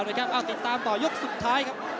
เอาติดตามต่อยกสุดท้ายครับ